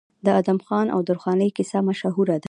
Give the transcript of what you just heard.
د ادم خان او درخانۍ کیسه مشهوره ده.